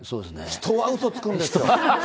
人はうそつくんですよ。